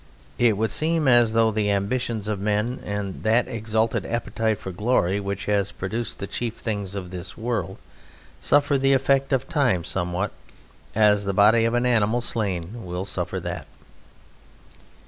It would seem as though the ambitions of men, and that exalted appetite for glory which has produced the chief things of this world, suffer the effect of time somewhat as the body of an animal slain will suffer that.